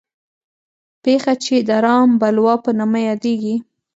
پېښه چې د رام بلوا په نامه یادېږي.